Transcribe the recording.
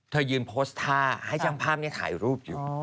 เธอยืนโพสต์ท่าให้ช่างภาพนี้ถ่ายรูปอยู่